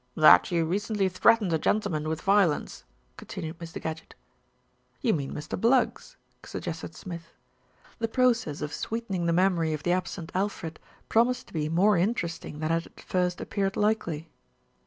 "That you recently threatened a gentleman with violence," continued Mr. Gadgett. "You mean Mr. Bluggs," suggested Smith. The process of sweetening the memory of the absent Alfred promised to be more interesting than had at first ap peared likely.